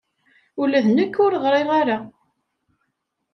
Ula d nekk ur ɣriɣ ara.